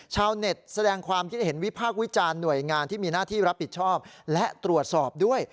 ชาวเน็ตแสดงความคิดเห็นวิพากษ์วิจารณ์หน่วยงานที่มีหน้าที่รับผิดชอบและตรวจสอบด้วย